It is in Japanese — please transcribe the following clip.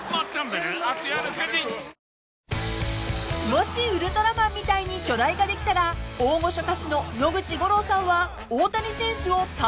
［もしウルトラマンみたいに巨大化できたら大御所歌手の野口五郎さんは大谷選手を助けたいそうです］